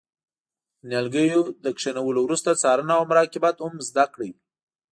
د نیالګیو له کینولو وروسته څارنه او مراقبت هم زده کړئ.